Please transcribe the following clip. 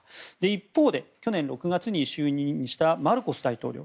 一方で、去年６月に就任したマルコス大統領。